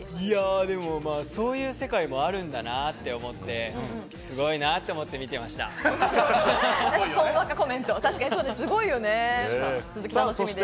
そういう世界もあるんだなと思って、すごいなと思って見ていました。